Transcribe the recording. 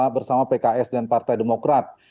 bersama pks dan partai demokrat